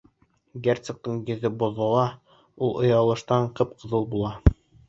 Герцогтың йөҙө боҙола, ул оялыштан ҡып-ҡыҙыл була.